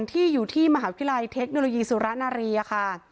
ที่อยู่ที่มหาวิทยาลัยเทคโนโลยีสุรนารีค่ะ